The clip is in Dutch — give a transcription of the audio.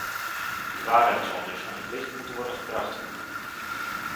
De waarheid zal dus aan het licht moeten worden gebracht.